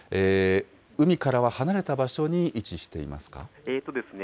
海からは離れた場所に位置していますか？